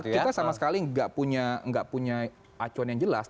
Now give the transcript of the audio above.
kita sama sekali nggak punya acuan yang jelas